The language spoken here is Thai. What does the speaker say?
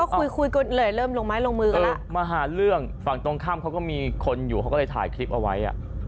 คุยคุยก็เลยเริ่มลงไม้ลงมือกันแล้วมาหาเรื่องฝั่งตรงข้ามเขาก็มีคนอยู่เขาก็เลยถ่ายคลิปเอาไว้